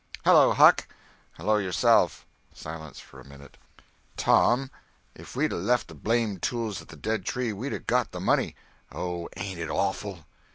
"Hello, Huck!" "Hello, yourself." Silence, for a minute. "Tom, if we'd 'a' left the blame tools at the dead tree, we'd 'a' got the money. Oh, ain't it awful!"